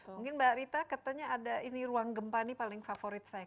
mungkin mbak rita katanya ada ini ruang gempa ini paling favorit saya